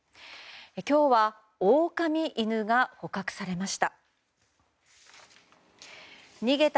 今日はオオカミ犬が捕獲されました。